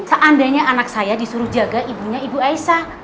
seandainya anak saya disuruh jaga ibunya ibu aisa